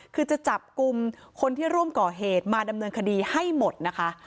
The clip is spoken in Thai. คือจะจับกลุ่มคนที่ร่วมก่อเหตุมาดำเนินคดีให้หมดนะคะ